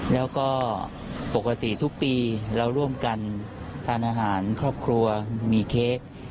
แล้วก็ปกติทุกปีเราร่วมกันทานอาหารครอบครัวมีเค้ก